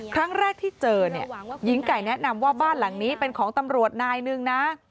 ครั้งแรกที่เจอเนี่ยหญิงไก่แนะนำว่าบ้านหลังนี้เป็นของตำรวจนายหนึ่งนะ